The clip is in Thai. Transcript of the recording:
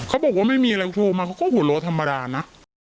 เขาบอกว่าไม่มีอะไรโทรมาเขาก็หัวโลธรรมดานะ